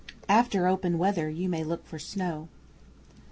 (After open weather you may look for snow!)